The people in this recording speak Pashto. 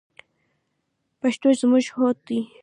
پښتو زمونږ هویت ده